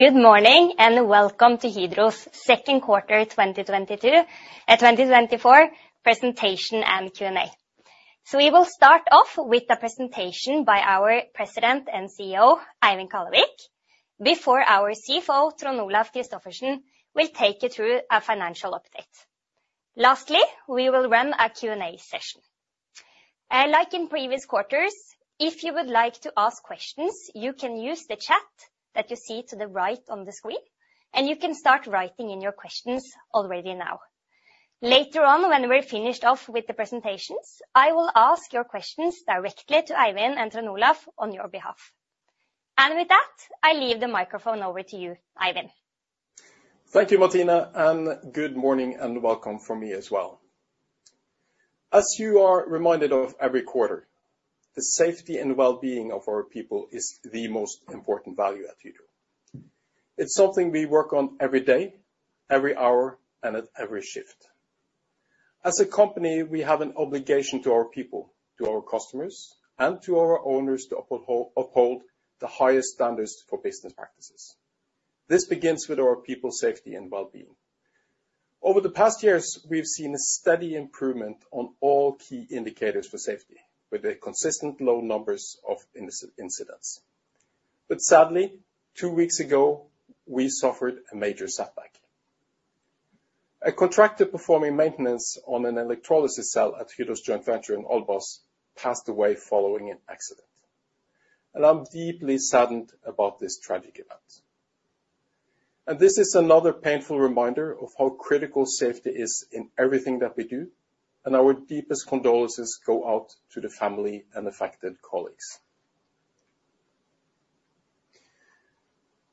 Good morning and welcome to Hydro's second quarter 2024 presentation and Q&A. We will start off with the presentation by our President and CEO, Eivind Kallevik, before our CFO, Trond Olaf Christophersen, will take you through a financial update. Lastly, we will run a Q&A session. Like in previous quarters, if you would like to ask questions, you can use the chat that you see to the right on the screen, and you can start writing in your questions already now. Later on, when we're finished off with the presentations, I will ask your questions directly to Eivind and Trond Olaf on your behalf. With that, I leave the microphone over to you, Eivind Thank you, Martine, and good morning and welcome from me as well. As you're reminded every quarter, the safety and well-being of our people is the most important value at Hydro. It's something we work on every day, every hour, and at every shift. As a company, we have an obligation to our people, to our customers, and to our owners to uphold the highest standards for business practices. This begins with our people's safety and well-being. Over the past years, we've seen a steady improvement on all key indicators for safety, with consistently low numbers of incidents. But sadly, two weeks ago, we suffered a major setback. A contractor performing maintenance on an electrolysis cell at Hydro's joint venture in Albras passed away following an accident. I'm deeply saddened about this tragic event. This is another painful reminder of how critical safety is in everything that we do, and our deepest condolences go out to the family and affected colleagues.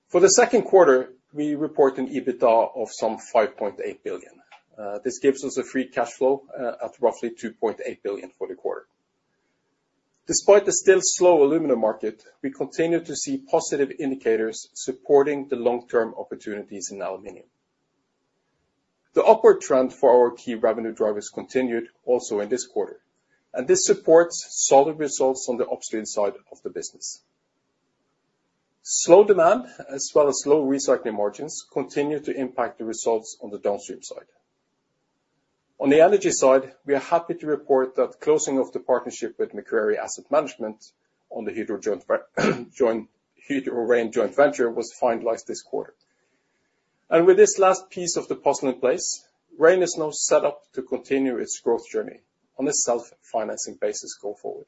For the second quarter, we report an EBITDA of some 5.8 billion. This gives us a free cash flow at roughly 2.8 billion for the quarter. Despite the still slow aluminium market, we continue to see positive indicators supporting the long-term opportunities in aluminium. The upward trend for our key revenue drivers continued also in this quarter, and this supports solid results on the upstream side of the business. Slow demand, as well as low recycling margins, continue to impact the results on the downstream side. On the Energy side, we are happy to report that the closing of the partnership with Macquarie Asset Management on the Hydro Rein joint venture was finalized this quarter. With this last piece of the puzzle in place, Hydro Rein is now set up to continue its growth journey on a self-financing basis going forward.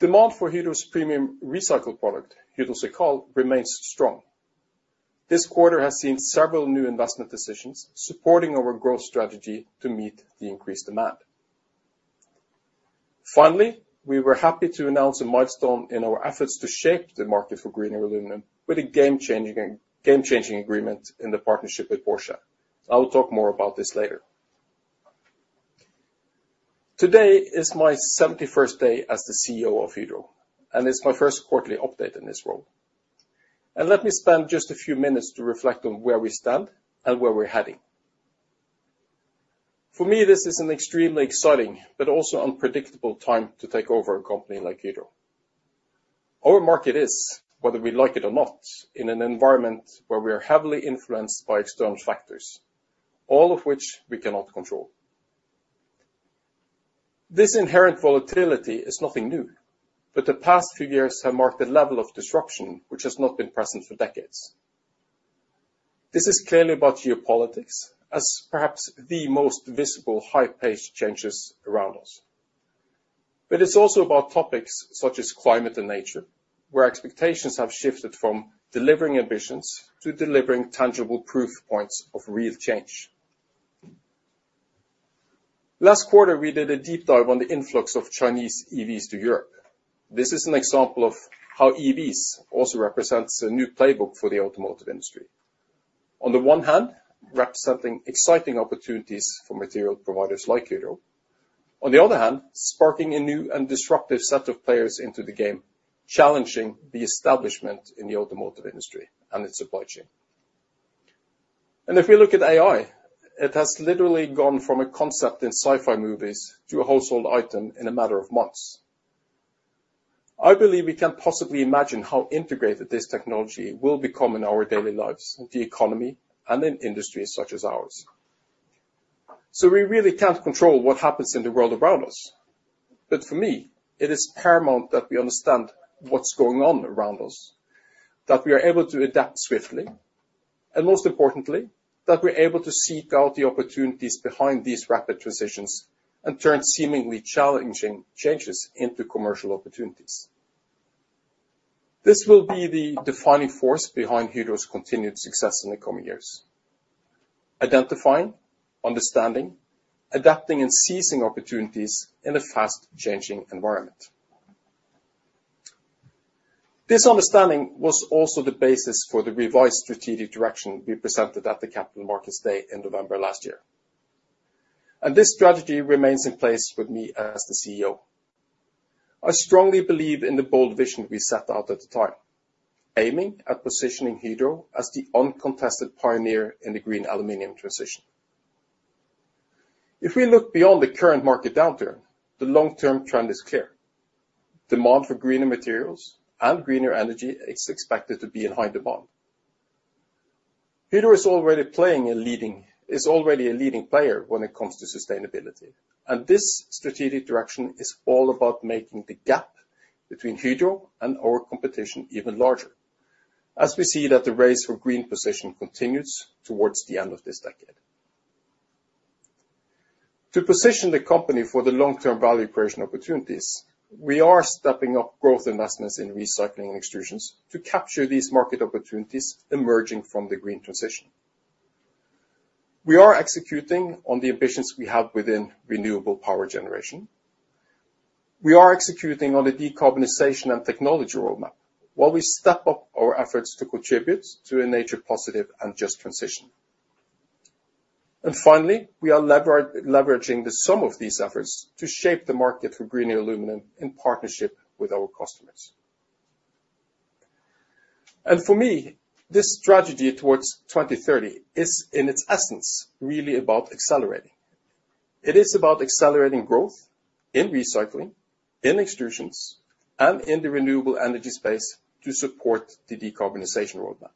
Demand for Hydro's premium recycled product, Hydro CIRCAL, remains strong. This quarter has seen several new investment decisions supporting our growth strategy to meet the increased demand. Finally, we were happy to announce a milestone in our efforts to shape the market for greener aluminium with a game-changing agreement in the partnership with Porsche. I will talk more about this later. Today is my 71st day as the CEO of Hydro, and it's my first quarterly update in this role. Let me spend just a few minutes to reflect on where we stand and where we're heading. For me, this is an extremely exciting but also unpredictable time to take over a company like Hydro. Our market is, whether we like it or not, in an environment where we are heavily influenced by external factors, all of which we cannot control. This inherent volatility is nothing new, but the past few years have marked a level of disruption which has not been present for decades. This is clearly about geopolitics, as perhaps the most visible high-paced changes around us. But it's also about topics such as climate and nature, where expectations have shifted from delivering ambitions to delivering tangible proof points of real change. Last quarter, we did a deep dive on the influx of Chinese EVs to Europe. This is an example of how EVs also represent a new playbook for the automotive industry. On the one hand, representing exciting opportunities for material providers like Hydro. On the other hand, sparking a new and disruptive set of players into the game, challenging the establishment in the automotive industry and its supply chain. If we look at AI, it has literally gone from a concept in sci-fi movies to a household item in a matter of months. I believe we can't possibly imagine how integrated this technology will become in our daily lives, the economy, and in industries such as ours. So we really can't control what happens in the world around us. But for me, it is paramount that we understand what's going on around us, that we are able to adapt swiftly, and most importantly, that we're able to seek out the opportunities behind these rapid transitions and turn seemingly challenging changes into Commercial opportunities. This will be the defining force behind Hydro's continued success in the coming years: identifying, understanding, adapting, and seizing opportunities in a fast-changing environment. This understanding was also the basis for the revised strategic direction we presented at the Capital Markets Day in November last year. This strategy remains in place with me as the CEO. I strongly believe in the bold vision we set out at the time, aiming at positioning Hydro as the uncontested pioneer in the green aluminium transition. If we look beyond the current market downturn, the long-term trend is clear. Demand for greener materials and greener energy is expected to be in high demand. Hydro is already a leading player when it comes to sustainability. This strategic direction is all about making the gap between Hydro and our competition even larger, as we see that the race for green position continues towards the end of this decade. To position the company for the long-term value creation opportunities, we are stepping up growth investments in recycling and Extrusions to capture these market opportunities emerging from the green transition. We are executing on the ambitions we have within renewable power generation. We are executing on the decarbonization and technology roadmap while we step up our efforts to contribute to a nature-positive and just transition. And finally, we are leveraging the sum of these efforts to shape the market for greener aluminium in partnership with our customers. And for me, this strategy towards 2030 is, in its essence, really about accelerating. It is about accelerating growth in recycling, in Extrusions, and in the renewable energy space to support the decarbonization roadmap.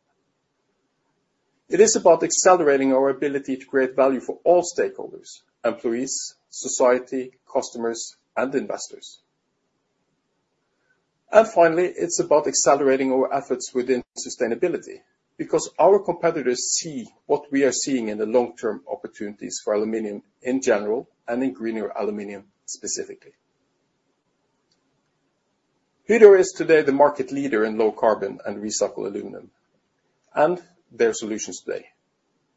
It is about accelerating our ability to create value for all stakeholders: employees, society, customers, and investors. Finally, it's about accelerating our efforts within sustainability because our competitors see what we are seeing in the long-term opportunities for aluminium in general and in greener aluminium specifically. Hydro is today the market leader in low carbon and recycled aluminium and their solutions today.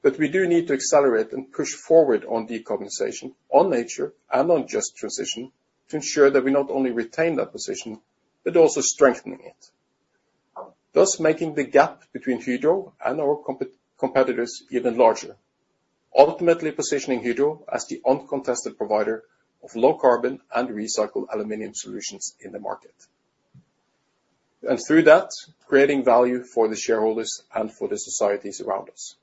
But we do need to accelerate and push forward on decarbonization, on nature, and on just transition to ensure that we not only retain that position but also strengthen it, thus making the gap between Hydro and our competitors even larger, ultimately positioning Hydro as the uncontested provider of low carbon and recycled aluminium solutions in the market. Through that, creating value for the shareholders and for the societies around us.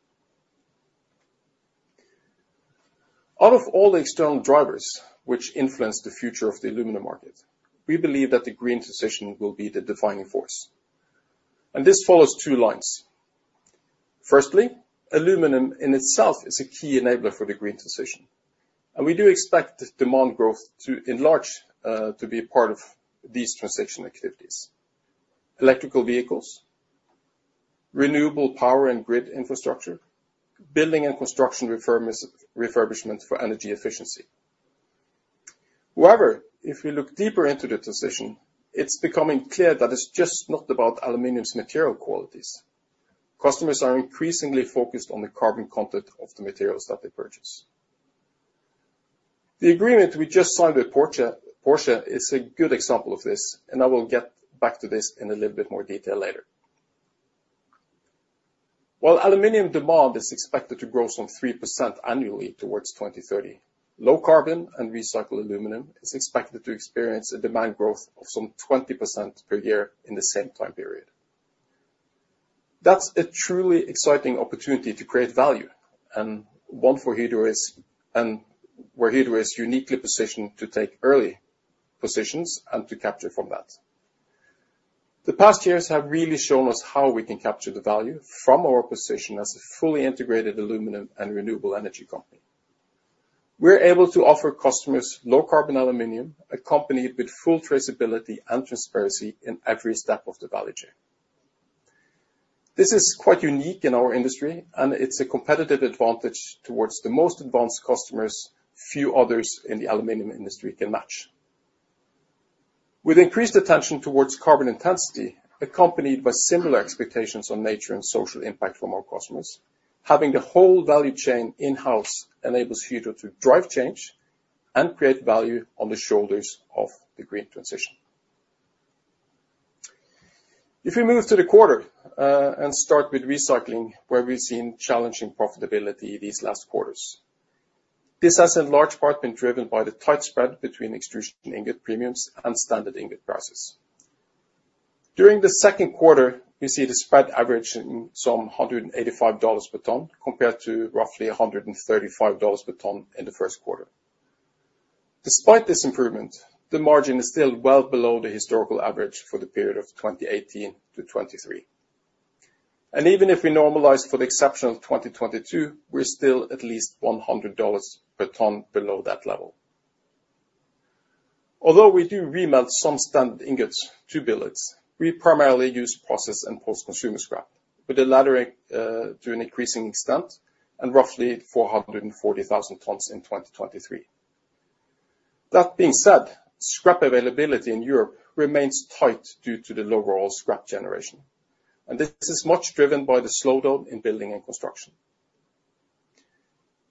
Out of all the external drivers which influence the future of the aluminium market, we believe that the green transition will be the defining force. This follows two lines. Firstly, aluminium in itself is a key enabler for the green transition. We do expect demand growth to enlarge to be part of these transition activities: electric vehicles, renewable power and grid infrastructure, building and construction refurbishment for energy efficiency. However, if we look deeper into the transition, it's becoming clear that it's just not about aluminium's material qualities. Customers are increasingly focused on the carbon content of the materials that they purchase. The agreement we just signed with Porsche is a good example of this, and I will get back to this in a little bit more detail later. While aluminium demand is expected to grow some 3% annually towards 2030, low carbon and recycled aluminium is expected to experience a demand growth of some 20% per year in the same time period. That's a truly exciting opportunity to create value, and Hydro is uniquely positioned to take early positions and to capture from that. The past years have really shown us how we can capture the value from our position as a fully integrated aluminium and renewable energy company. We're able to offer customers low carbon aluminium, accompanied with full traceability and transparency in every step of the value chain. This is quite unique in our industry, and it's a competitive advantage towards the most advanced customers few others in the aluminium industry can match. With increased attention towards carbon intensity, accompanied by similar expectations on nature and social impact from our customers, having the whole value chain in-house enables Hydro to drive change and create value on the shoulders of the green transition. If we move to the quarter and start with recycling, where we've seen challenging profitability these last quarters, this has in large part been driven by the tight spread between Extrusions ingot premiums and standard ingot prices. During the second quarter, we see the spread averaging some $185 per ton compared to roughly $135 per ton in the first quarter. Despite this improvement, the margin is still well below the historical average for the period of 2018-2023. And even if we normalize for the exception of 2022, we're still at least $100 per ton below that level. Although we do remelt some standard ingots to billets, we primarily use processed and post-consumer scrap, with the latter to an increasing extent and roughly 440,000 tons in 2023. That being said, scrap availability in Europe remains tight due to the low flow of scrap generation. This is much driven by the slowdown in building and construction.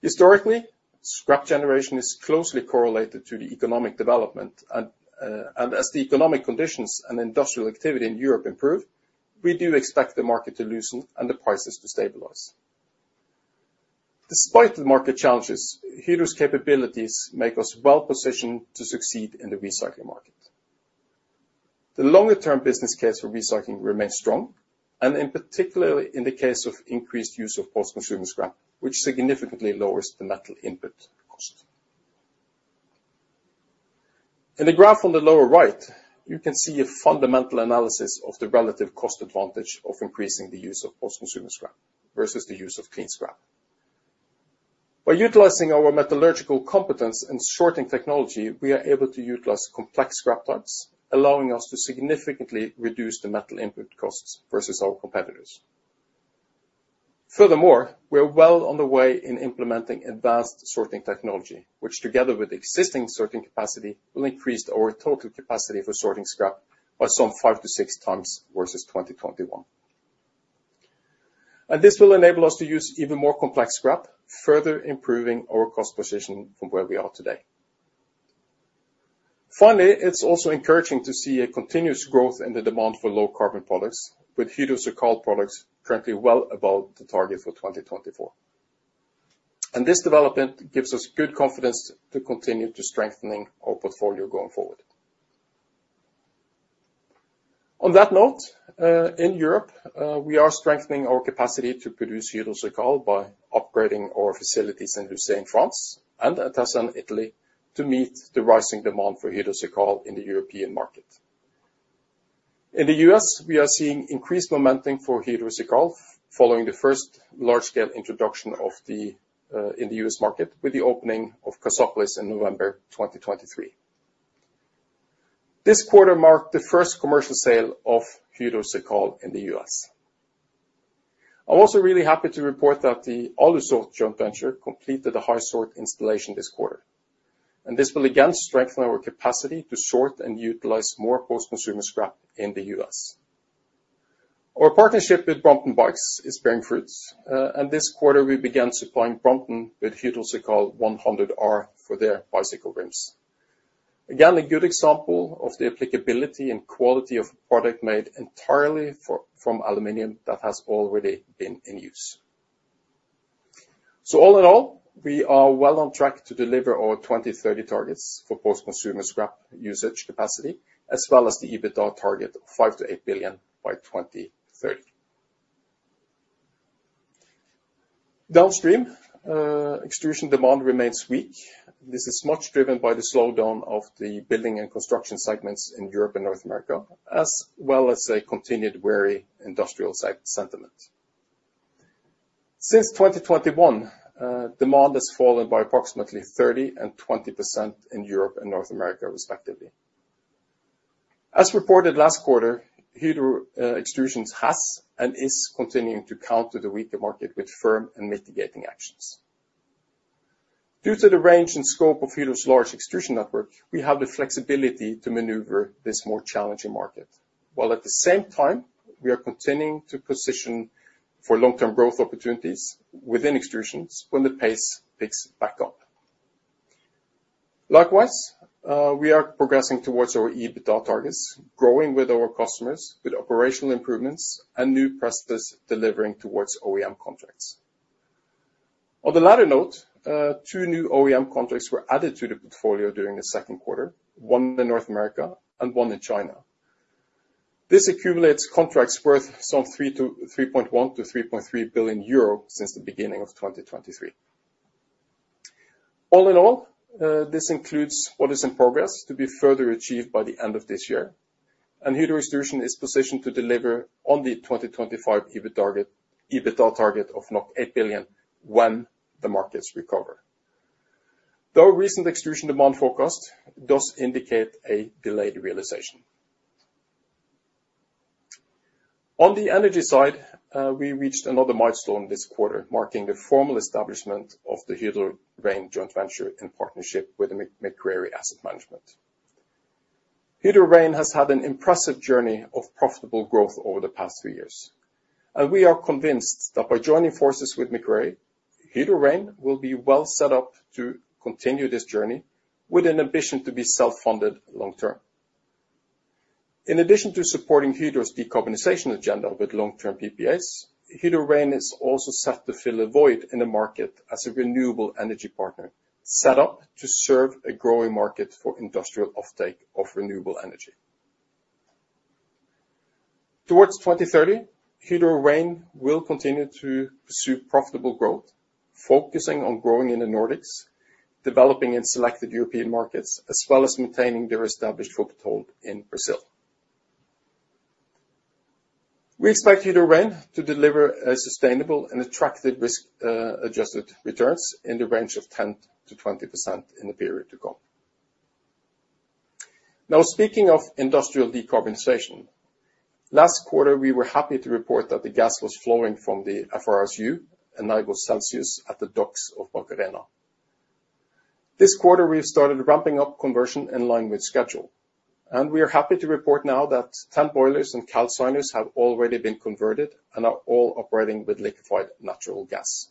Historically, scrap generation is closely correlated to the economic development, and as the economic conditions and industrial activity in Europe improve, we do expect the market to loosen and the prices to stabilize. Despite the market challenges, Hydro's capabilities make us well positioned to succeed in the recycling market. The longer-term business case for recycling remains strong, and in particular in the case of increased use of post-consumer scrap, which significantly lowers the metal input cost. In the graph on the lower right, you can see a fundamental analysis of the relative cost advantage of increasing the use of post-consumer scrap versus the use of clean scrap. By utilizing our metallurgical competence and sorting technology, we are able to utilize complex scrap types, allowing us to significantly reduce the metal input costs versus our competitors. Furthermore, we're well on the way in implementing advanced sorting technology, which together with existing sorting capacity will increase our total capacity for sorting scrap by some five to six times versus 2021. This will enable us to use even more complex scrap, further improving our cost position from where we are today. Finally, it's also encouraging to see a continuous growth in the demand for low carbon products, with Hydro CIRCAL products currently well above the target for 2024. This development gives us good confidence to continue to strengthen our portfolio going forward. On that note, in Europe, we are strengthening our capacity to produce Hydro CIRCAL by upgrading our facilities in Lucé, France, and Atessa, Italy, to meet the rising demand for Hydro CIRCAL in the European market. In the U.S., we are seeing increased momentum for Hydro CIRCAL following the first large-scale introduction in the U.S. market with the opening of Cassopolis in November 2023. This quarter marked the first Commercial sale of Hydro CIRCAL in the U.S. I'm also really happy to report that the Alusort joint venture completed a HySort installation this quarter. And this will again strengthen our capacity to sort and utilize more post-consumer scrap in the U.S. Our partnership with Brompton Bikes is bearing fruits. And this quarter, we began supplying Brompton with Hydro CIRCAL 100R for their bicycle rims. Again, a good example of the applicability and quality of a product made entirely from aluminium that has already been in use. So all in all, we are well on track to deliver our 2030 targets for post-consumer scrap usage capacity, as well as the EBITDA target of 5 billion-8 billion by 2030. Downstream, Extrusion demand remains weak. This is much driven by the slowdown of the building and construction segments in Europe and North America, as well as a continued wary industrial sentiment. Since 2021, demand has fallen by approximately 30% and 20% in Europe and North America, respectively. As reported last quarter, Hydro Extrusions has and is continuing to counter the weaker market with firm and mitigating actions. Due to the range and scope of Hydro's large Extrusion network, we have the flexibility to maneuver this more challenging market, while at the same time, we are continuing to position for long-term growth opportunities within Extrusions when the pace picks back up. Likewise, we are progressing towards our EBITDA targets, growing with our customers with operational improvements and new prospects delivering towards OEM contracts. On the latter note, two new OEM contracts were added to the portfolio during the second quarter, one in North America and one in China. This accumulates contracts worth some 3.1 billion-3.3 billion euro since the beginning of 2023. All in all, this includes what is in progress to be further achieved by the end of this year. Hydro Extrusions is positioned to deliver on the 2025 EBITDA target of 8 billion when the markets recover. Though recent Extrusion demand forecast does indicate a delayed realization. On the Energy side, we reached another milestone this quarter, marking the formal establishment of the Hydro Rein joint venture in partnership with Macquarie Asset Management. Hydro Rein has had an impressive journey of profitable growth over the past few years. We are convinced that by joining forces with Macquarie, Hydro Rein will be well set up to continue this journey with an ambition to be self-funded long-term. In addition to supporting Hydro's decarbonization agenda with long-term PPAs, Hydro Rein is also set to fill a void in the market as a renewable energy partner set up to serve a growing market for industrial offtake of renewable energy. Towards 2030, Hydro Rein will continue to pursue profitable growth, focusing on growing in the Nordics, developing in selected European markets, as well as maintaining their established foothold in Brazil. We expect Hydro Rein to deliver sustainable and attractive risk-adjusted returns in the range of 10%-20% in the period to come. Now, speaking of industrial decarbonization, last quarter, we were happy to report that the gas was flowing from the FSRU Energos Celsius at the docks of Barcarena. This quarter, we've started ramping up conversion in line with schedule. We are happy to report now that 10 boilers and calciners have already been converted and are all operating with liquefied natural gas.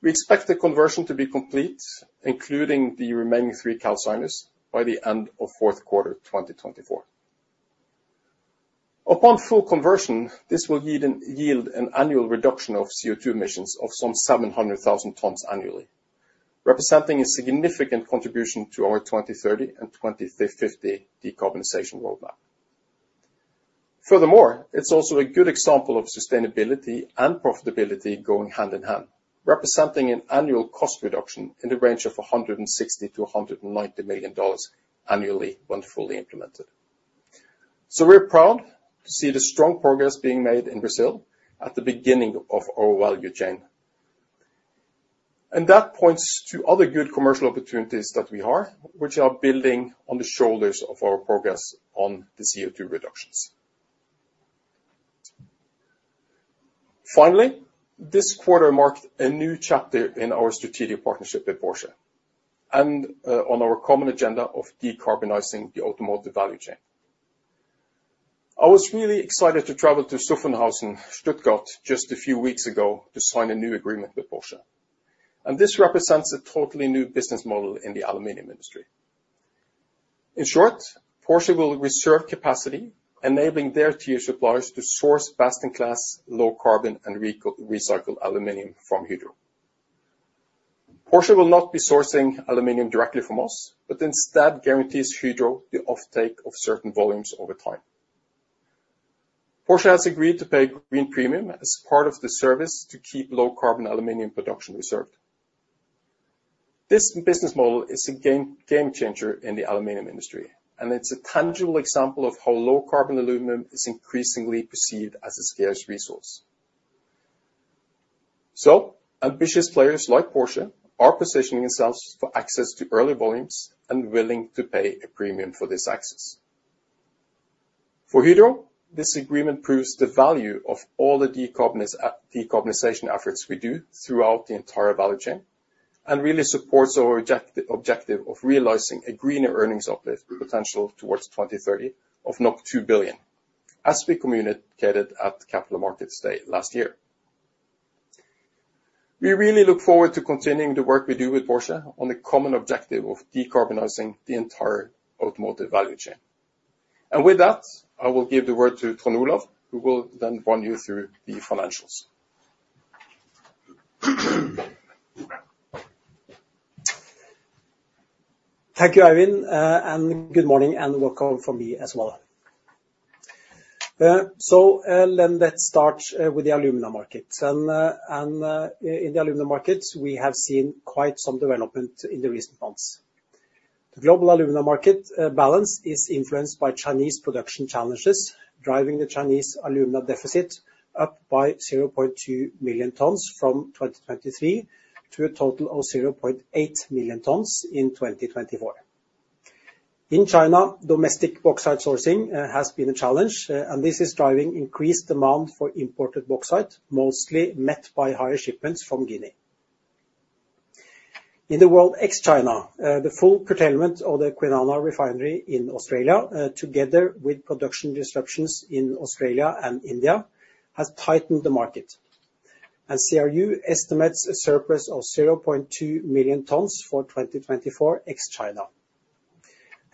We expect the conversion to be complete, including the remaining 3 calciners, by the end of fourth quarter 2024. Upon full conversion, this will yield an annual reduction of CO2 emissions of some 700,000 tons annually, representing a significant contribution to our 2030 and 2050 decarbonization roadmap. Furthermore, it's also a good example of sustainability and profitability going hand in hand, representing an annual cost reduction in the range of $160 million-$190 million annually when fully implemented. So we're proud to see the strong progress being made in Brazil at the beginning of our value chain. And that points to other good Commercial opportunities that we are, which are building on the shoulders of our progress on the CO2 reductions. Finally, this quarter marked a new chapter in our strategic partnership with Porsche and on our common agenda of decarbonizing the automotive value chain. I was really excited to travel to Zuffenhausen, Stuttgart, just a few weeks ago to sign a new agreement with Porsche. And this represents a totally new business model in the aluminium industry. In short, Porsche will reserve capacity, enabling their tier suppliers to source best-in-class, low-carbon, and recycled aluminium from Hydro. Porsche will not be sourcing aluminium directly from us, but instead guarantees Hydro the offtake of certain volumes over time. Porsche has agreed to pay a green premium as part of the service to keep low-carbon aluminium production reserved. This business model is a game changer in the aluminium industry, and it's a tangible example of how low-carbon aluminium is increasingly perceived as a scarce resource. So ambitious players like Porsche are positioning themselves for access to early volumes and willing to pay a premium for this access. For Hydro, this agreement proves the value of all the decarbonization efforts we do throughout the entire value chain and really supports our objective of realizing a greener earnings potential towards 2030 of 2 billion, as we communicated at Capital Markets Day last year. We really look forward to continuing the work we do with Porsche on the common objective of decarbonizing the entire automotive value chain. And with that, I will give the word to Trond Olaf, who will then run you through the financials. Thank you, Eivind, and good morning and welcome from me as well. So let's start with the alumina market. In the alumina market, we have seen quite some development in the recent months. The global alumina market balance is influenced by Chinese production challenges, driving the Chinese alumina deficit up by 0.2 million tons from 2023 to a total of 0.8 million tons in 2024. In China, domestic bauxite sourcing has been a challenge, and this is driving increased demand for imported bauxite, mostly met by higher shipments from Guinea. In the world ex-China, the full curtailment of the Kwinana refinery in Australia, together with production disruptions in Australia and India, has tightened the market. CRU estimates a surplus of 0.2 million tons for 2024 ex-China.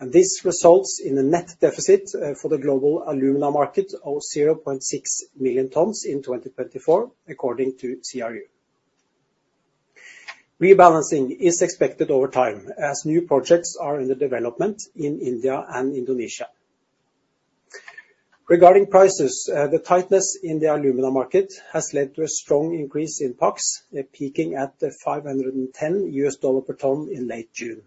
This results in a net deficit for the global alumina market of 0.6 million tons in 2024, according to CRU. Rebalancing is expected over time as new projects are under development in India and Indonesia. Regarding prices, the tightness in the alumina market has led to a strong increase in PAX, peaking at $510 per ton in late June.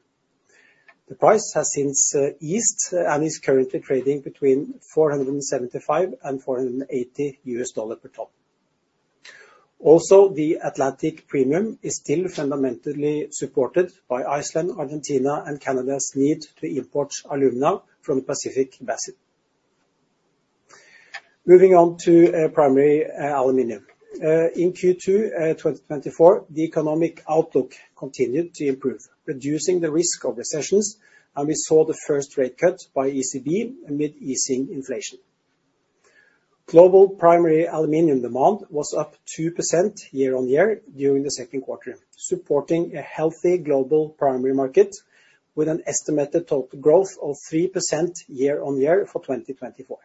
The price has since eased and is currently trading between $475-$480 per ton. Also, the Atlantic premium is still fundamentally supported by Iceland, Argentina, and Canada's need to import alumina from the Pacific Basin. Moving on to primary aluminium. In Q2 2024, the economic outlook continued to improve, reducing the risk of recessions, and we saw the first rate cut by ECB mid-easing inflation. Global primary aluminium demand was up 2% year-on-year during the second quarter, supporting a healthy global primary market with an estimated total growth of 3% year-on-year for 2024.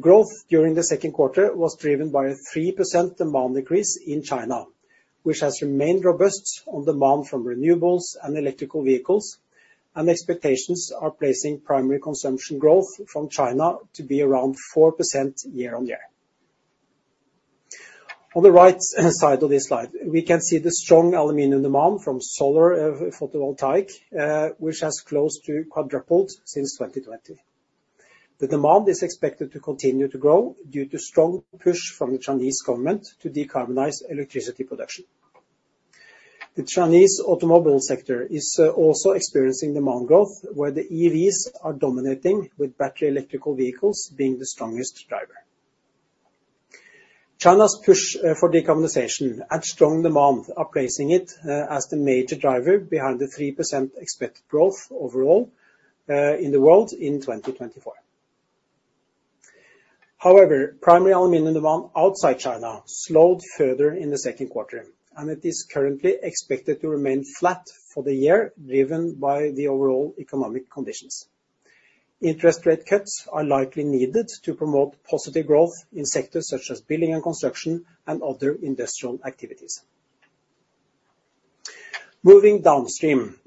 Growth during the second quarter was driven by a 3% demand increase in China, which has remained robust on demand from renewables and electric vehicles, and expectations are placing primary consumption growth from China to be around 4% year-on-year. On the right side of this slide, we can see the strong aluminium demand from solar photovoltaic, which has close to quadrupled since 2020. The demand is expected to continue to grow due to strong push from the Chinese government to decarbonize electricity production. The Chinese automobile sector is also experiencing demand growth, where the EVs are dominating, with battery electric vehicles being the strongest driver. China's push for decarbonization and strong demand are placing it as the major driver behind the 3% expected growth overall in the world in 2024. However, primary aluminium demand outside China slowed further in the second quarter, and it is currently expected to remain flat for the year, driven by the overall economic conditions. Interest rate cuts are likely needed to promote positive growth in sectors such as building and construction and other industrial activities. Moving downstream,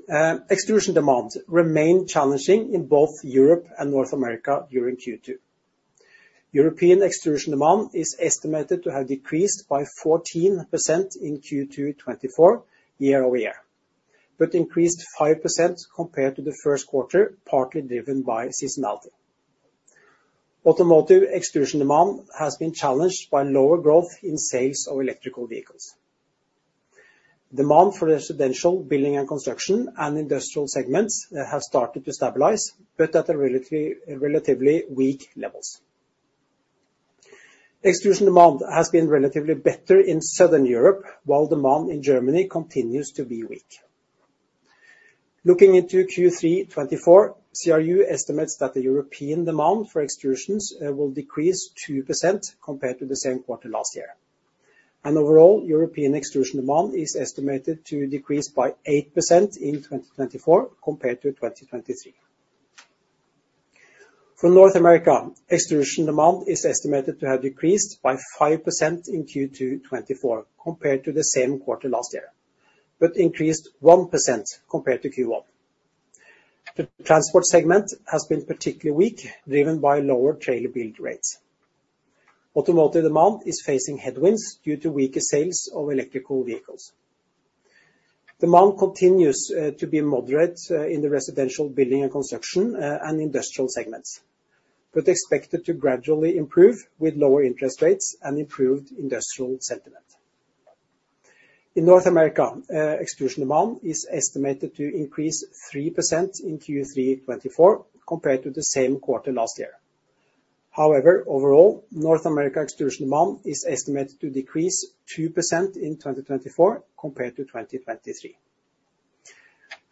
Extrusion demand remained challenging in both Europe and North America during Q2. European Extrusion demand is estimated to have decreased by 14% in Q2 2024 year-over-year, but increased 5% compared to the first quarter, partly driven by seasonality. Automotive Extrusion demand has been challenged by lower growth in sales of electric vehicles. Demand for residential, building and construction, and industrial segments has started to stabilize, but at a relatively weak level. Extrusion demand has been relatively better in Southern Europe, while demand in Germany continues to be weak. Looking into Q3 2024, CRU estimates that the European demand for Extrusions will decrease 2% compared to the same quarter last year. Overall, European Extrusion demand is estimated to decrease by 8% in 2024 compared to 2023. For North America, Extrusion demand is estimated to have decreased by 5% in Q2 2024 compared to the same quarter last year, but increased 1% compared to Q1. The transport segment has been particularly weak, driven by lower trailer build rates. Automotive demand is facing headwinds due to weaker sales of electrical vehicles. Demand continues to be moderate in the residential, building and construction, and industrial segments, but expected to gradually improve with lower interest rates and improved industrial sentiment. In North America, Extrusion demand is estimated to increase 3% in Q3 2024 compared to the same quarter last year. However, overall, North America Extrusion demand is estimated to decrease 2% in 2024 compared to 2023.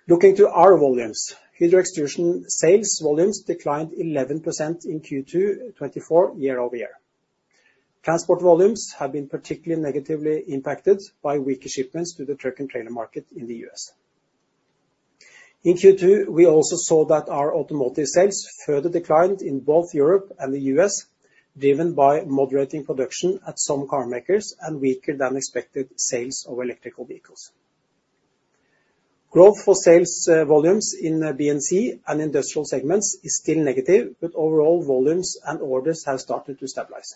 Looking to our volumes, Hydro Extrusions sales volumes declined 11% in Q2 2024 year-over-year. Transport volumes have been particularly negatively impacted by weaker shipments to the truck and trailer market in the U.S. In Q2, we also saw that our automotive sales further declined in both Europe and the U.S., driven by moderating production at some car makers and weaker than expected sales of electric vehicles. Growth for sales volumes in B&C and industrial segments is still negative, but overall volumes and orders have started to stabilize.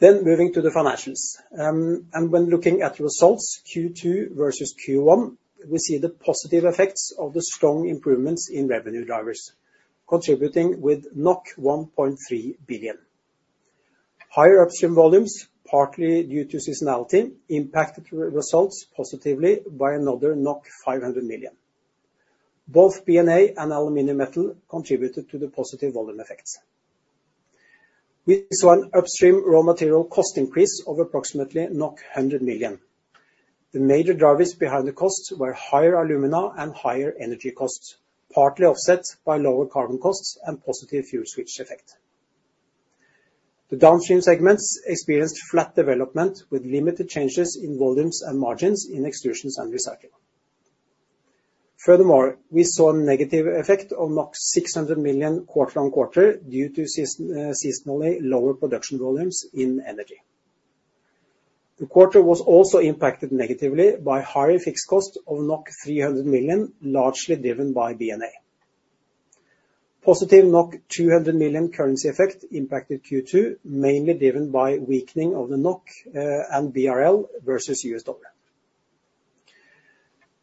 Moving to the financials. When looking at the results Q2 versus Q1, we see the positive effects of the strong improvements in revenue drivers, contributing with 1.3 billion. Higher upstream volumes, partly due to seasonality, impacted results positively by another 500 million. Both B&A and Aluminium Metal contributed to the positive volume effects. We saw an upstream raw material cost increase of approximately 100 million. The major drivers behind the costs were higher alumina and higher energy costs, partly offset by lower carbon costs and positive fuel switch effect. The downstream segments experienced flat development with limited changes in volumes and margins in Extrusions and recycling. Furthermore, we saw a negative effect of 600 million quarter-on-quarter due to seasonally lower production volumes in energy. The quarter was also impacted negatively by higher fixed cost of 300 million, largely driven by B&A. Positive 200 million currency effect impacted Q2, mainly driven by weakening of the NOK and BRL versus U.S. dollar.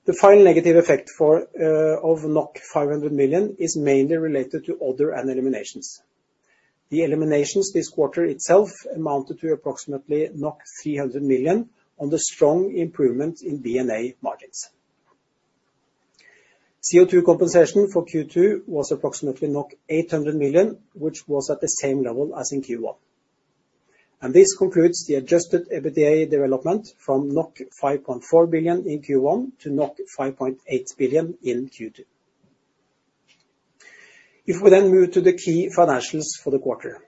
The final negative effect of 500 million is mainly related to other and eliminations. The eliminations this quarter itself amounted to approximately 300 million on the strong improvement in B&A margins. CO₂ compensation for Q2 was approximately 800 million, which was at the same level as in Q1. This concludes the adjusted EBITDA development from 5.4 billion in Q1 to 5.8 billion in Q2. If we then move to the key financials for the quarter,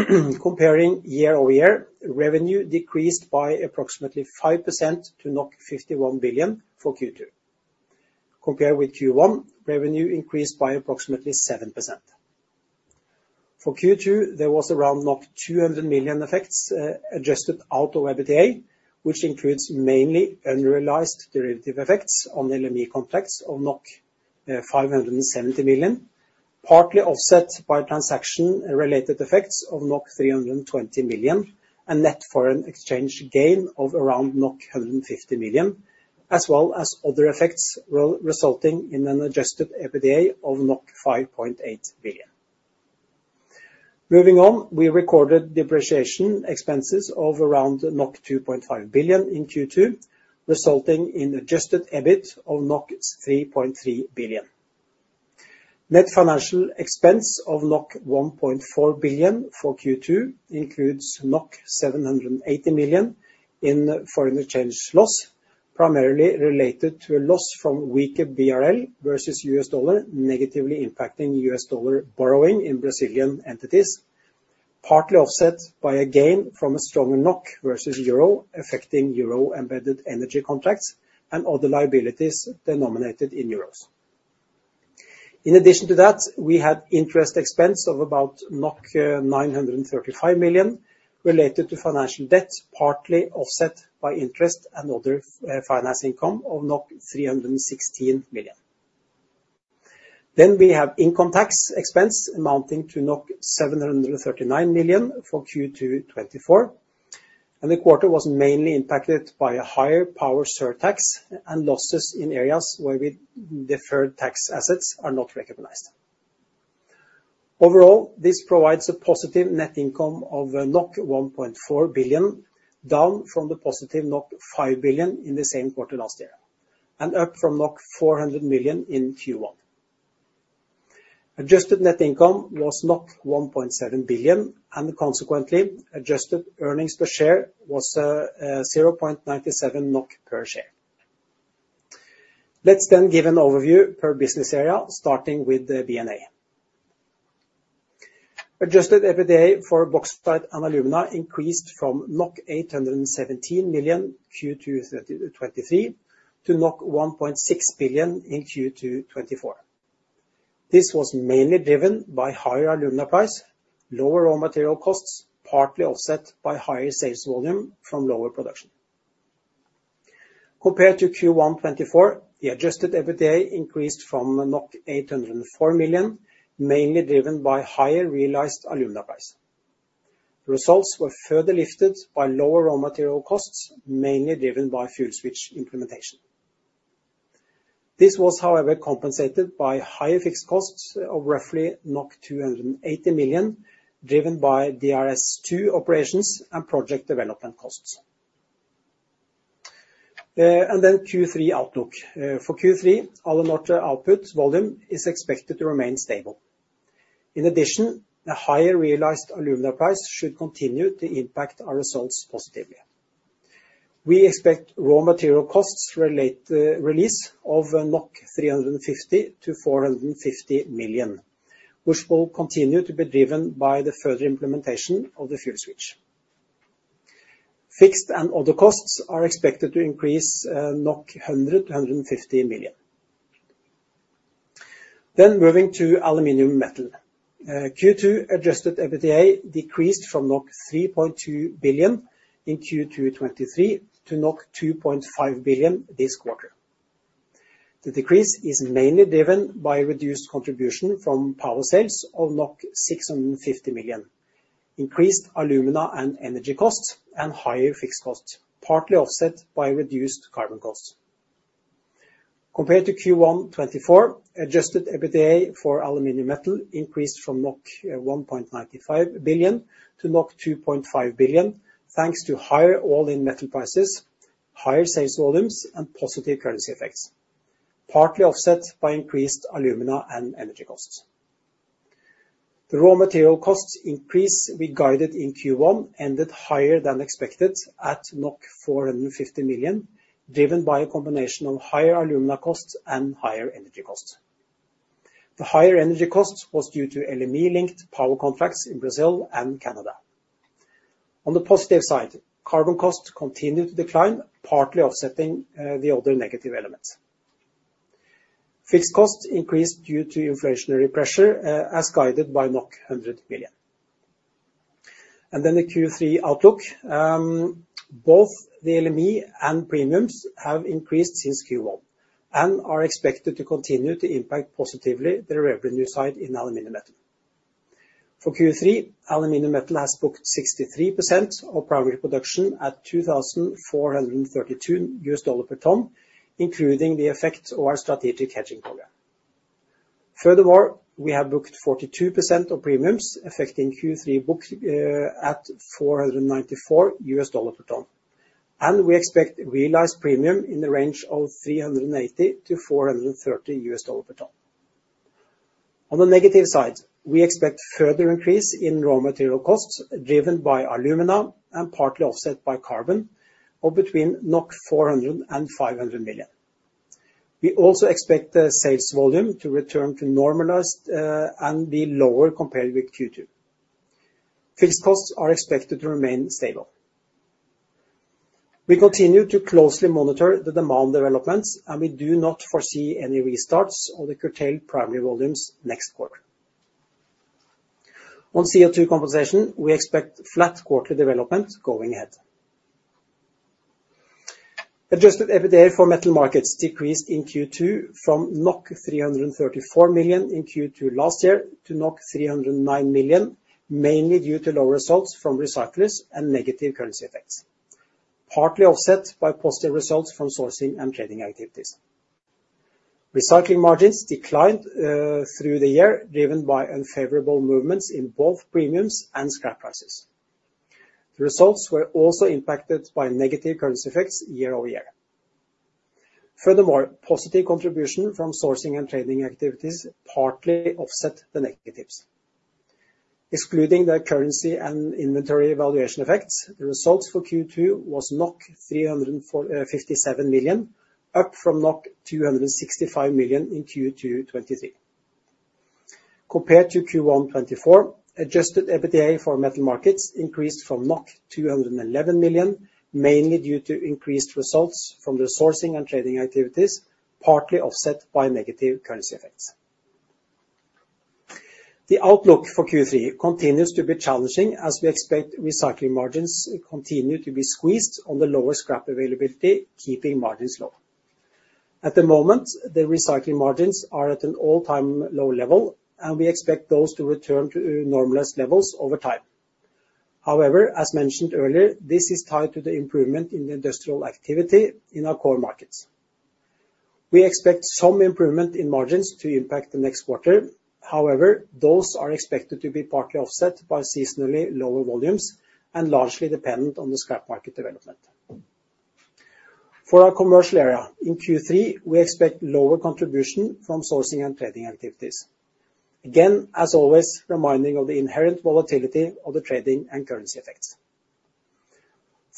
comparing year-over-year, revenue decreased by approximately 5% to 51 billion for Q2. Compared with Q1, revenue increased by approximately 7%. For Q2, there was around 200 million effects adjusted out of EBITDA, which includes mainly unrealized derivative effects on LME complex of 570 million, partly offset by transaction-related effects of 320 million, and net foreign exchange gain of around 150 million, as well as other effects resulting in an adjusted EBITDA of 5.8 billion. Moving on, we recorded depreciation expenses of around 2.5 billion in Q2, resulting in adjusted EBIT of 3.3 billion. Net financial expense of 1.4 billion for Q2 includes 780 million in foreign exchange loss, primarily related to a loss from weaker BRL versus U.S. dollar, negatively impacting U.S. dollar borrowing in Brazilian entities, partly offset by a gain from a stronger NOK versus euro, affecting euro embedded energy contracts and other liabilities denominated in euros. In addition to that, we had interest expense of about 935 million related to financial debt, partly offset by interest and other finance income of 316 million. We have income tax expense amounting to 739 million for Q2 2024. The quarter was mainly impacted by a higher power surtax and losses in areas where deferred tax assets are not recognized. Overall, this provides a positive net income of 1.4 billion, down from the positive 5 billion in the same quarter last year, and up from 400 million in Q1 2024. Adjusted net income was 1.7 billion, and consequently, adjusted earnings per share was 0.97 NOK per share. Let's then give an overview per business area, starting with B&A. Adjusted EBITDA for Bauxite and Alumina increased from 817 million Q2 2023 to 1.6 billion in Q2 2024. This was mainly driven by higher alumina price, lower raw material costs, partly offset by higher sales volume from lower production. Compared to Q1 2024, the adjusted EBITDA increased from 804 million, mainly driven by higher realized alumina price. The results were further lifted by lower raw material costs, mainly driven by fuel switch implementation. This was, however, compensated by higher fixed costs of roughly 280 million, driven by DRS2 operations and project development costs. Then Q3 outlook. For Q3, all in all, the output volume is expected to remain stable. In addition, the higher realized alumina price should continue to impact our results positively. We expect raw material costs release of 350-450 million, which will continue to be driven by the further implementation of the fuel switch. Fixed and other costs are expected to increase 100-150 million NOK. Then moving to Aluminium Metal. Q2 Adjusted EBITDA decreased from 3.2 billion in Q2 2023 to 2.5 billion this quarter. The decrease is mainly driven by reduced contribution from power sales of NOK 650 million, increased alumina and energy costs, and higher fixed costs, partly offset by reduced carbon costs. Compared to Q1 2024, adjusted EBITDA for Aluminium Metal increased from 1.95 billion to 2.5 billion, thanks to higher all-in metal prices, higher sales volumes, and positive currency effects, partly offset by increased alumina and energy costs. The raw material costs increase we guided in Q1 ended higher than expected at 450 million, driven by a combination of higher alumina costs and higher energy costs. The higher energy costs was due to LME-linked power contracts in Brazil and Canada. On the positive side, carbon costs continued to decline, partly offsetting the other negative elements. Fixed costs increased due to inflationary pressure as guided by 100 million. Then the Q3 outlook. Both the LME and premiums have increased since Q1 and are expected to continue to impact positively the revenue side in Aluminium Metal. For Q3, Aluminium Metal has booked 63% of primary production at $2,432 per ton, including the effect of our strategic hedging program. Furthermore, we have booked 42% of premiums affecting Q3 book at $494 per ton, and we expect realized premium in the range of $380-$430 per ton. On the negative side, we expect further increase in raw material costs driven by alumina and partly offset by carbon of between 400 million and 500 million. We also expect the sales volume to return to normalized and be lower compared with Q2. Fixed costs are expected to remain stable. We continue to closely monitor the demand developments, and we do not foresee any restarts of the curtailed primary volumes next quarter. On CO2 compensation, we expect flat quarterly development going ahead. Adjusted EBITDA for Metal Markets decreased in Q2 from 334 million in Q2 last year to 309 million, mainly due to lower results from recyclers and negative currency effects, partly offset by positive results from sourcing and trading activities. Recycling margins declined through the year, driven by unfavorable movements in both premiums and scrap prices. The results were also impacted by negative currency effects year-over-year. Furthermore, positive contribution from sourcing and trading activities partly offset the negatives. Excluding the currency and inventory valuation effects, the results for Q2 was 357 million, up from 265 million in Q2 2023. Compared to Q1 2024, adjusted EBITDA for Metal Markets increased from 211 million, mainly due to increased results from the sourcing and trading activities, partly offset by negative currency effects. The outlook for Q3 continues to be challenging as we expect recycling margins continue to be squeezed on the lower scrap availability, keeping margins low. At the moment, the recycling margins are at an all-time low level, and we expect those to return to normalized levels over time. However, as mentioned earlier, this is tied to the improvement in industrial activity in our core markets. We expect some improvement in margins to impact the next quarter. However, those are expected to be partly offset by seasonally lower volumes and largely dependent on the scrap market development. For our Commercial area in Q3, we expect lower contribution from sourcing and trading activities. Again, as always, reminding of the inherent volatility of the trading and currency effects.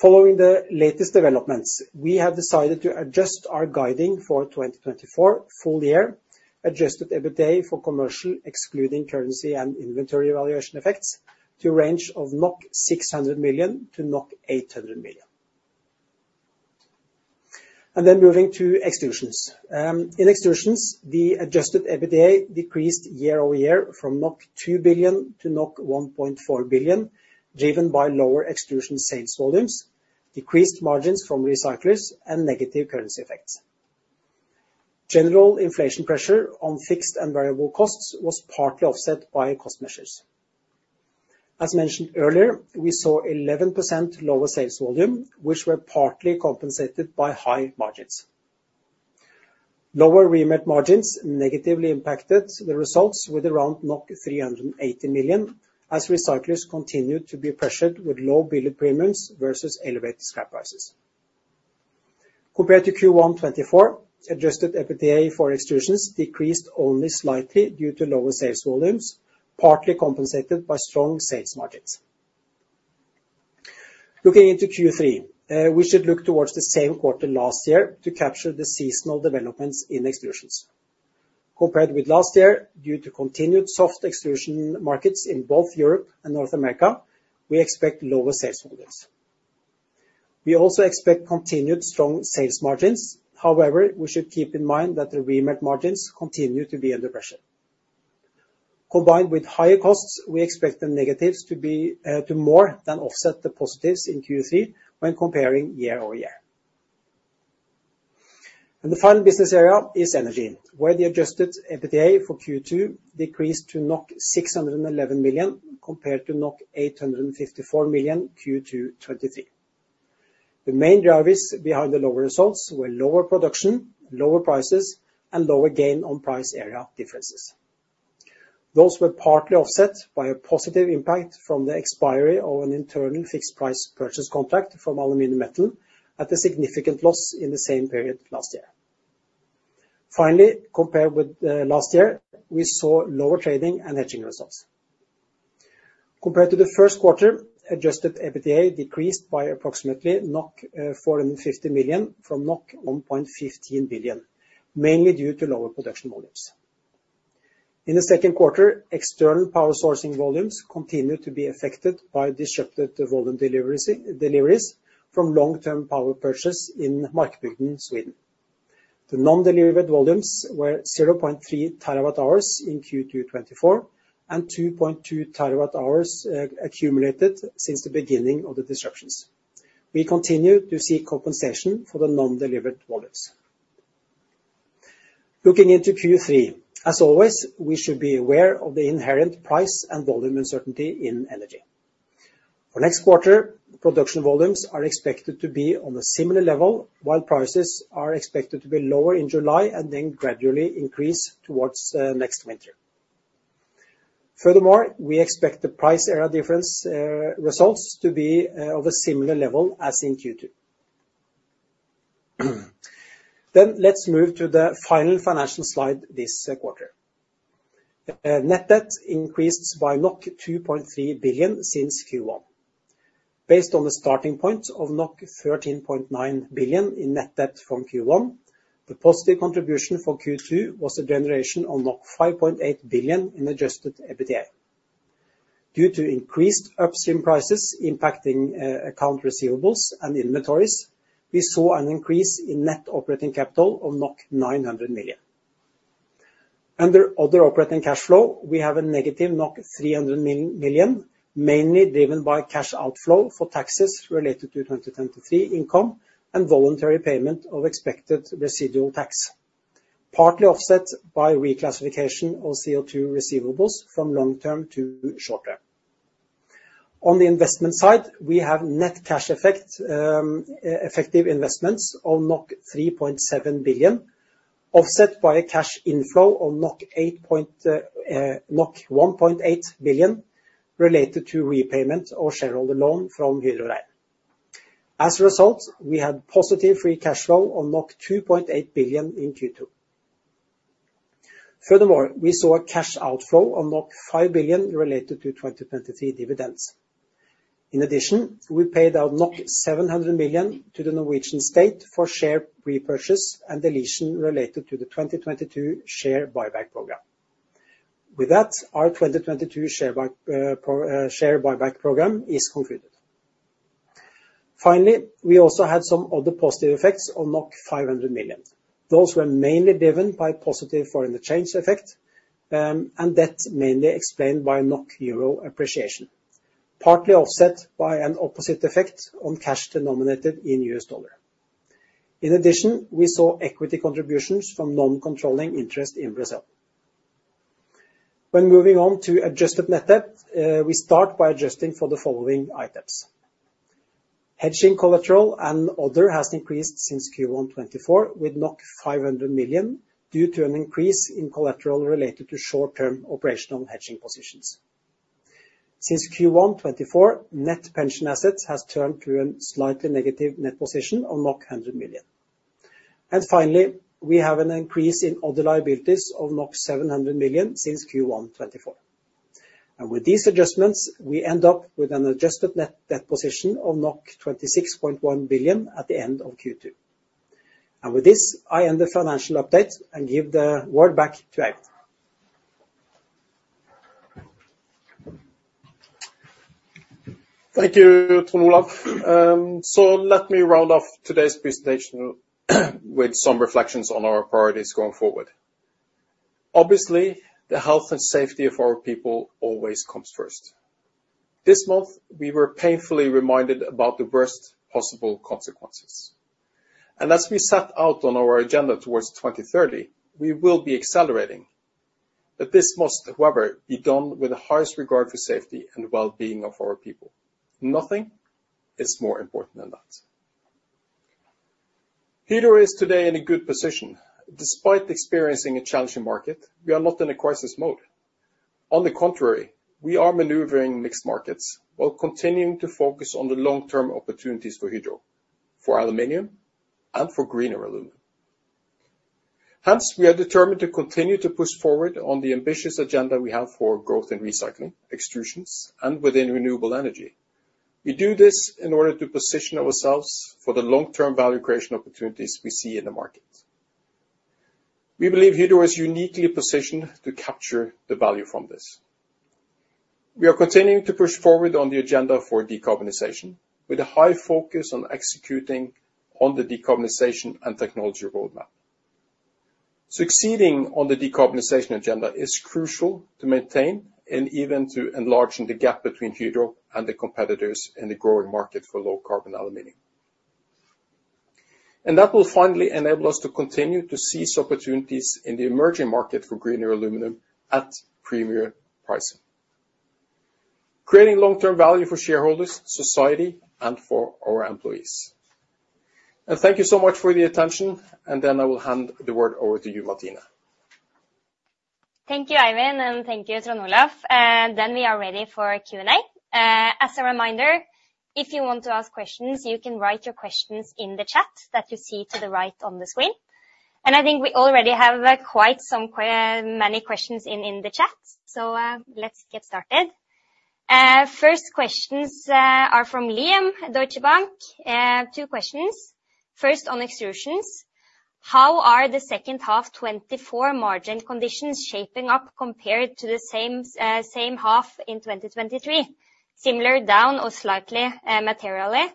Following the latest developments, we have decided to adjust our guiding for 2024 full year, adjusted EBITDA for Commercial, excluding currency and inventory valuation effects, to a range of 600 million-800 million NOK. Then moving to Extrusions. In Extrusions, the adjusted EBITDA decreased year-over-year from 2 billion to 1.4 billion, driven by lower Extrusion sales volumes, decreased margins from recyclers, and negative currency effects. General inflation pressure on fixed and variable costs was partly offset by cost measures. As mentioned earlier, we saw 11% lower sales volume, which were partly compensated by high margins. Lower remelt margins negatively impacted the results with around 380 million as recyclers continued to be pressured with low billet premiums versus elevated scrap prices. Compared to Q1 2024, adjusted EBITDA for Extrusions decreased only slightly due to lower sales volumes, partly compensated by strong sales margins. Looking into Q3, we should look towards the same quarter last year to capture the seasonal developments in Extrusion. Compared with last year, due to continued soft Extrusion markets in both Europe and North America, we expect lower sales volumes. We also expect continued strong sales margins. However, we should keep in mind that the remelt margins continue to be under pressure. Combined with higher costs, we expect the negatives to be to more than offset the positives in Q3 when comparing year-over-year. The final business area is Energy, where the adjusted EBITDA for Q2 decreased to 611 million compared to 854 million Q2 2023. The main drivers behind the lower results were lower production, lower prices, and lower gain on price area differences. Those were partly offset by a positive impact from the expiry of an internal fixed price purchase contract from Aluminium Metal at a significant loss in the same period last year. Finally, compared with last year, we saw lower trading and hedging results. Compared to the first quarter, adjusted EBITDA decreased by approximately 450 million from 1.15 billion, mainly due to lower production volumes. In the second quarter, external power sourcing volumes continue to be affected by disrupted volume deliveries from long-term power purchase in Markbygden, Sweden. The non-delivered volumes were 0.3 TWh in Q2 2024 and 2.2 TWh accumulated since the beginning of the disruptions. We continue to see compensation for the non-delivered volumes. Looking into Q3, as always, we should be aware of the inherent price and volume uncertainty in Energy. For next quarter, production volumes are expected to be on a similar level, while prices are expected to be lower in July and then gradually increase towards next winter. Furthermore, we expect the price area difference results to be of a similar level as in Q2. Then let's move to the final financial slide this quarter. Net debt increased by 2.3 billion since Q1. Based on the starting point of 13.9 billion in net debt from Q1, the positive contribution for Q2 was a generation of 5.8 billion in Adjusted EBITDA. Due to increased upstream prices impacting accounts receivable and inventories, we saw an increase in net operating capital of 900 million. Under other operating cash flow, we have a negative 300 million, mainly driven by cash outflow for taxes related to 2023 income and voluntary payment of expected residual tax, partly offset by reclassification of CO₂ receivables from long-term to short-term. On the investment side, we have net cash capex investments of 3.7 billion, offset by a cash inflow of 1.8 billion related to repayment of shareholder loan from Hydro Rein. As a result, we had positive free cash flow of 2.8 billion in Q2. Furthermore, we saw a cash outflow of 5 billion related to 2023 dividends. In addition, we paid out 700 million to the Norwegian state for share repurchase and deletion related to the 2022 share buyback program. With that, our 2022 share buyback program is concluded. Finally, we also had some other positive effects of 500 million. Those were mainly driven by positive foreign exchange effect, and that mainly explained by the euro appreciation, partly offset by an opposite effect on cash denominated in U.S. dollar. In addition, we saw equity contributions from non-controlling interest in Brazil. When moving on to adjusted net debt, we start by adjusting for the following items. Hedging collateral and other has increased since Q1 2024 with 500 million due to an increase in collateral related to short-term operational hedging positions. Since Q1 2024, net pension assets has turned to a slightly negative net position of 100 million. And finally, we have an increase in other liabilities of 700 million since Q1 2024. And with these adjustments, we end up with an adjusted net debt position of 26.1 billion at the end of Q2. With this, I end the financial update and give the word back to Eivind. Thank you, Trond Olaf. So let me round off today's presentation with some reflections on our priorities going forward. Obviously, the health and safety of our people always comes first. This month, we were painfully reminded about the worst possible consequences. And as we set out on our agenda towards 2030, we will be accelerating. But this must, however, be done with the highest regard for safety and well-being of our people. Nothing is more important than that. Hydro is today in a good position. Despite experiencing a challenging market, we are not in a crisis mode. On the contrary, we are maneuvering mixed markets while continuing to focus on the long-term opportunities for Hydro, for aluminium, and for greener aluminium. Hence, we are determined to continue to push forward on the ambitious agenda we have for growth in recycling, Extrusions, and within renewable energy. We do this in order to position ourselves for the long-term value creation opportunities we see in the market. We believe Hydro is uniquely positioned to capture the value from this. We are continuing to push forward on the agenda for decarbonization with a high focus on executing on the decarbonization and technology roadmap. Succeeding on the decarbonization agenda is crucial to maintain and even to enlarge the gap between Hydro and the competitors in the growing market for low-carbon aluminium. And that will finally enable us to continue to seize opportunities in the emerging market for greener aluminium at premier pricing, creating long-term value for shareholders, society, and for our employees. And thank you so much for the attention. And then I will hand the word over to you, Martine. Thank you, Eivind, and thank you, Trond Olaf. Then we are ready for Q&A. As a reminder, if you want to ask questions, you can write your questions in the chat that you see to the right on the screen. And I think we already have quite many questions in the chat. So let's get started. First questions are from Liam, Deutsche Bank. Two questions. First, on Extrusions. How are the second half 2024 margin conditions shaping up compared to the same half in 2023? Similar, down, or slightly materially?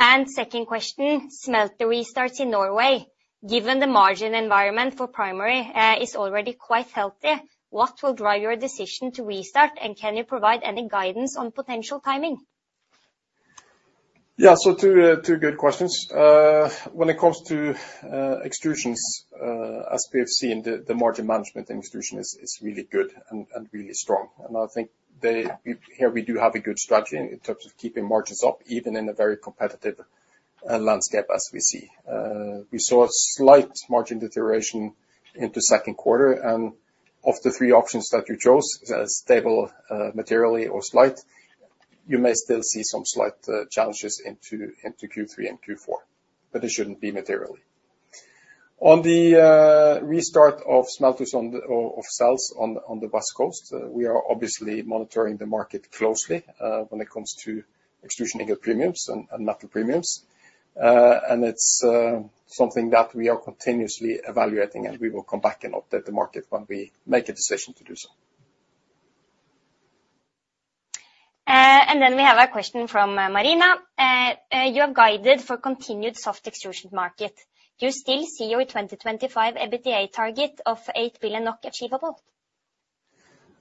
And second question, smelter restarts in Norway. Given the margin environment for primary is already quite healthy, what will drive your decision to restart, and can you provide any guidance on potential timing? Yeah, so two good questions. When it comes to Extrusions, as we have seen, the margin management in Extrusion is really good and really strong. I think here we do have a good strategy in terms of keeping margins up, even in a very competitive landscape as we see. We saw a slight margin deterioration into second quarter. Of the three options that you chose, stable materially or slight, you may still see some slight challenges into Q3 and Q4, but it shouldn't be materially. On the restart of smelters or cells on the West Coast, we are obviously monitoring the market closely when it comes to Extrusion ingot premiums and metal premiums. It's something that we are continuously evaluating, and we will come back and update the market when we make a decision to do so. Then we have a question from Marina. You have guided for continued soft Extrusion market. Do you still see your 2025 EBITDA target of 8 billion not achievable?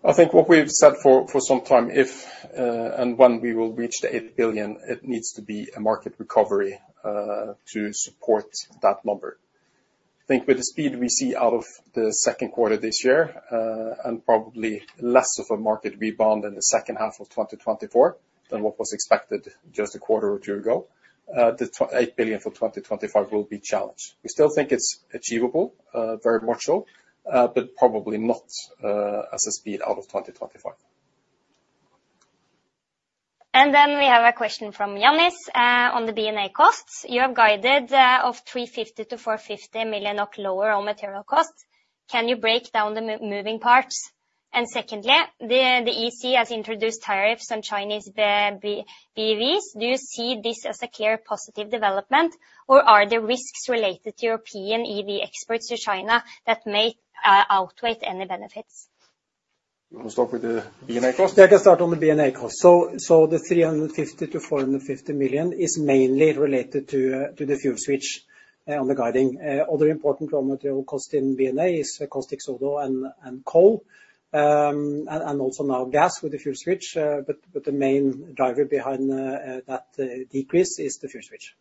I think what we've said for some time, if and when we will reach the 8 billion, it needs to be a market recovery to support that number. I think with the speed we see out of the second quarter this year and probably less of a market rebound in the second half of 2024 than what was expected just a quarter or two ago, the 8 billion for 2025 will be challenged. We still think it's achievable, very much so, but probably not as a speed out of 2025. And then we have a question from Ioannis on the B&A costs. You have guided of 350 million-450 million not lower on material costs. Can you break down the moving parts? And secondly, the EC has introduced tariffs on Chinese BEVs. Do you see this as a clear positive development, or are there risks related to European EV exports to China that may outweigh any benefits? You want to start with the B&A cost? Yeah, I can start on the B&A cost. So the 350 million-450 million is mainly related to the fuel switch on the guiding. Other important raw material cost in B&A is caustic soda and coal, and also now gas with the fuel switch. But the main driver behind that decrease is the fuel switch.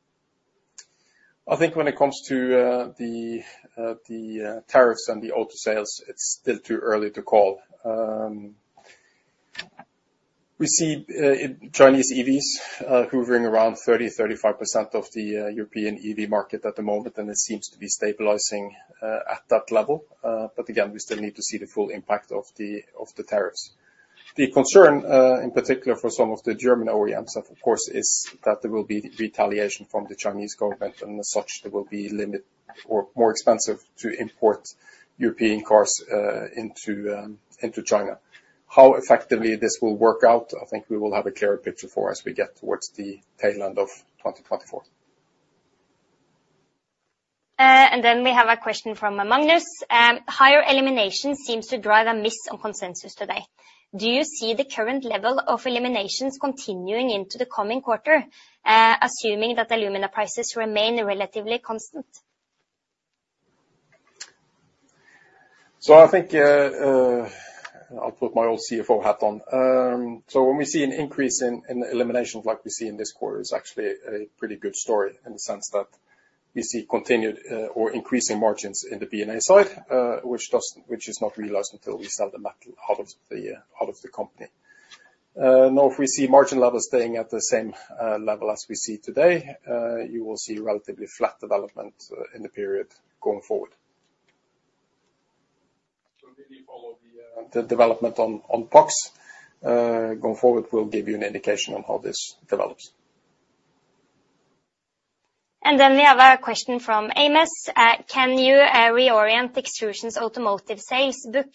I think when it comes to the tariffs and the auto sales, it's still too early to call. We see Chinese EVs hovering around 30%-35% of the European EV market at the moment, and it seems to be stabilizing at that level. Again, we still need to see the full impact of the tariffs. The concern, in particular for some of the German OEMs, of course, is that there will be limits or it will be more expensive to import European cars into China. How effectively this will work out, I think we will have a clearer picture for as we get towards the tail end of 2024. Then we have a question from Magnus. Higher eliminations seems to drive a miss on consensus today. Do you see the current level of eliminations continuing into the coming quarter, assuming that alumina prices remain relatively constant? I think I'll put my old CFO hat on. So when we see an increase in eliminations like we see in this quarter, it's actually a pretty good story in the sense that we see continued or increasing margins in the B&A side, which is not realized until we sell the metal out of the company. Now, if we see margin levels staying at the same level as we see today, you will see relatively flat development in the period going forward. Continue to follow the development on PAX going forward will give you an indication on how this develops. And then we have a question from Amos. Can you reorient Extrusions automotive sales book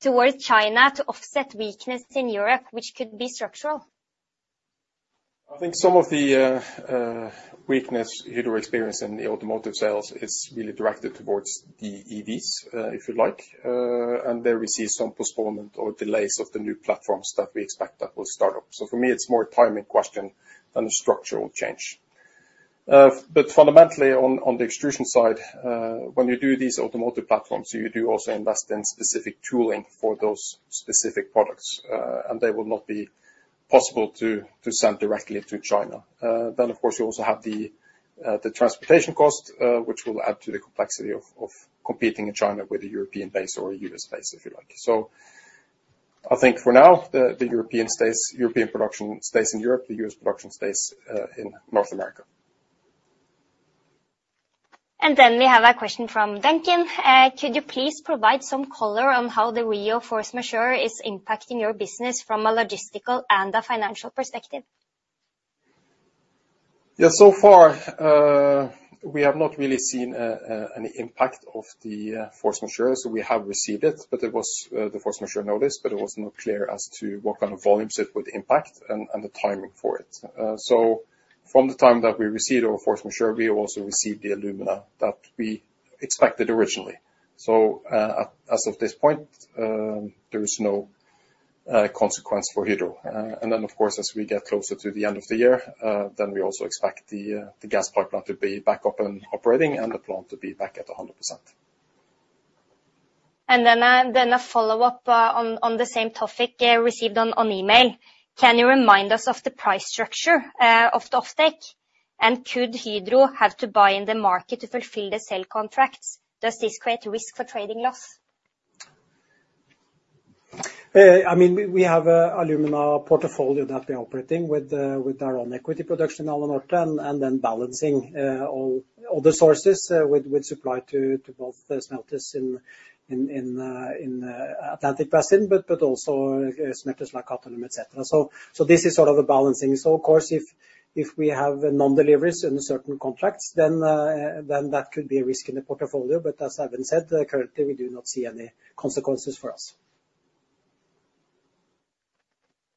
towards China to offset weakness in Europe, which could be structural? I think some of the weakness Hydro experienced in the automotive sales is really directed towards the EVs, if you like. There we see some postponement or delays of the new platforms that we expect that will start up. So for me, it's more a timing question than a structural change. But fundamentally, on the Extrusion side, when you do these automotive platforms, you do also invest in specific tooling for those specific products, and they will not be possible to send directly to China. Then, of course, you also have the transportation cost, which will add to the complexity of competing in China with a European base or a U.S. base, if you like. So I think for now, the European production stays in Europe. The U.S. production stays in North America. And then we have a question from Duncan. Could you please provide some color on how the Rio Tinto force majeure is impacting your business from a logistical and a financial perspective? Yeah, so far, we have not really seen any impact of the force majeure. So we have received it, but it was the force majeure notice, but it was not clear as to what kind of volumes it would impact and the timing for it. So from the time that we received our force majeure, we also received the alumina that we expected originally. So as of this point, there is no consequence for Hydro. And then, of course, as we get closer to the end of the year, then we also expect the gas pipeline to be back up and operating and the plant to be back at 100%. And then a follow-up on the same topic received on email. Can you remind us of the price structure of the offtake? And could Hydro have to buy in the market to fulfill the sale contracts? Does this create a risk for trading loss? I mean, we have an alumina portfolio that we are operating with our own equity production in Alunorte and then balancing all other sources with supply to both smelters in Atlantic Basin, but also smelters like Hindalco, etc. So this is sort of a balancing. So of course, if we have non-deliveries in certain contracts, then that could be a risk in the portfolio. But as I've said, currently, we do not see any consequences for us.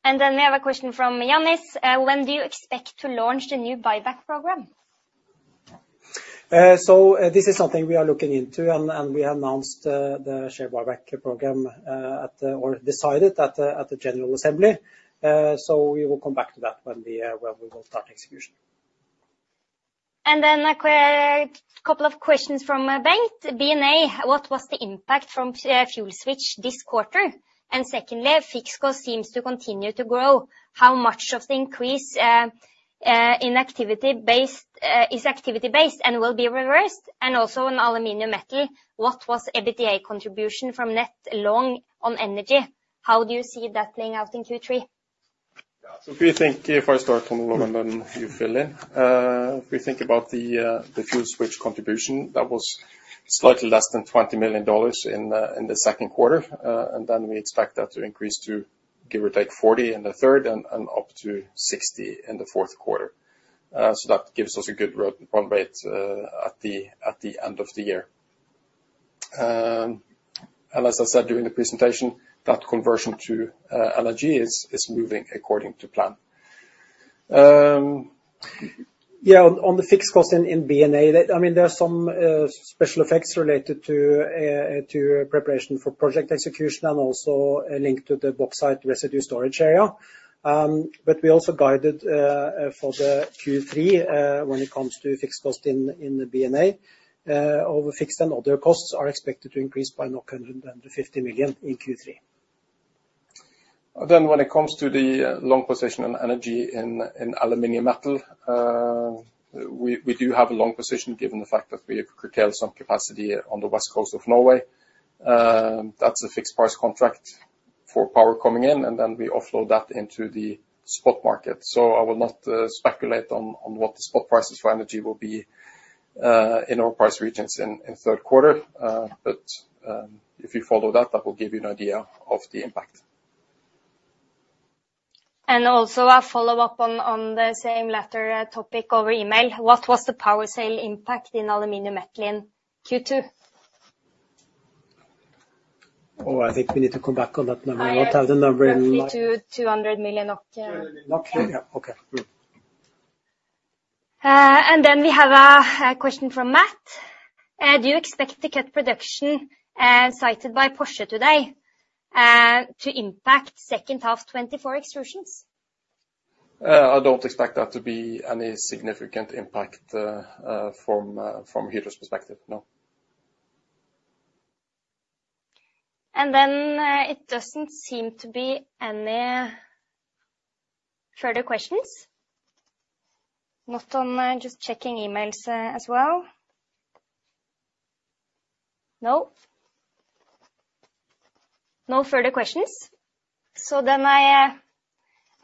And then we have a question from Ioannis. When do you expect to launch the new buyback program? So this is something we are looking into, and we have announced the share buyback program at or decided at the general assembly. So we will come back to that when we will start execution. And then a couple of questions from Bengt, what was the impact from fuel switch this quarter? And secondly, fixed costs seems to continue to grow. How much of the increase in activity-based is activity-based and will be reversed? And also in Aluminium Metal, what was EBITDA contribution from net long on energy? How do you see that playing out in Q3? Yeah, so if we think, if I start, Trond Olaf, and then you fill in, if we think about the fuel switch contribution, that was slightly less than $20 million in the second quarter. And then we expect that to increase to give or take $40 in the third and up to $60 in the fourth quarter. So that gives us a good run rate at the end of the year. And as I said during the presentation, that conversion to LNG is moving according to plan. Yeah, on the fixed cost in B&A, I mean, there are some special effects related to preparation for project execution and also linked to the bauxite residue storage area. But we also guided for the Q3 when it comes to fixed cost in B&A. Overall fixed and other costs are expected to increase by $150 million in Q3. Then when it comes to the long position on energy in Aluminium Metal, we do have a long position given the fact that we have curtailed some capacity on the West Coast of Norway. That's a fixed price contract for power coming in, and then we offload that into the spot market. So I will not speculate on what the spot prices for energy will be in our price regions in third quarter. But if you follow that, that will give you an idea of the impact. And also a follow-up on the same letter topic over email. What was the power sale impact in Aluminium Metal in Q2? Oh, I think we need to come back on that number. We won't have the number in. To 200 million. Yeah, okay. And then we have a question from Matt. Do you expect the car production cited by Porsche today to impact second half 2024 Extrusions? I don't expect that to be any significant impact from Hydro's perspective. No. And then it doesn't seem to be any further questions. Not on, just checking emails as well. No. No further questions. So then I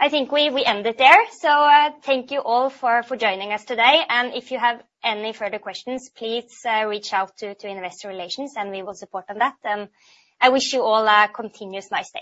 think we end it there. So thank you all for joining us today. And if you have any further questions, please reach out to Investor Relations, and we will support on that. And I wish you all a continuous nice day.